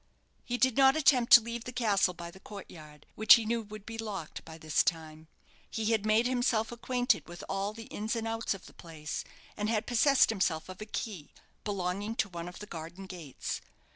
He did not attempt to leave the castle by the court yard, which he knew would be locked by this time. He had made himself acquainted with all the ins and outs of the place, and had possessed himself of a key belonging to one of the garden gates.